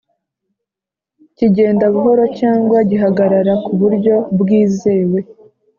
kigenda buhoro cyangwa gihagarara ku buryo bwizewe